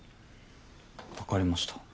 分かりました。